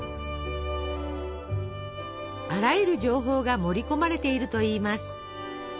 あらゆる情報が盛り込まれているといいます。